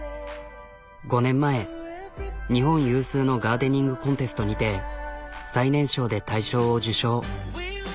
５年前日本有数のガーデニングコンテストにて最年少で大賞を受賞。